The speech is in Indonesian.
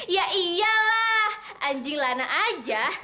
ya iyalah anjing lana aja